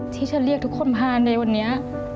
ที่ฉันเรียกทุกคนมาในวันนี้